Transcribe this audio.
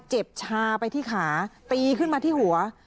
ชาไปที่ขาตีขึ้นมาที่หัว